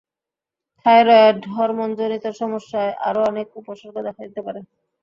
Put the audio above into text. Thyroid হরমোনজনিত সমস্যায় আরও অনেক উপসর্গ দেখা দিতে পারে।